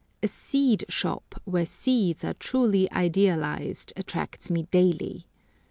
A seed shop, where seeds are truly idealised, attracts me daily.